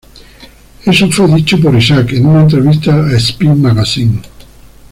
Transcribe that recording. Eso fue dicho por Isaac en una entrevista a "Spin Magazine".